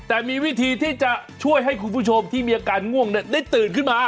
แต่มีวิธีที่จะช่วยให้คุณผู้ชมที่มีอาการง่วงได้ตื่นขึ้นมา